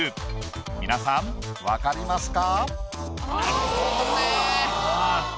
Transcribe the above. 皆さん分かりますか？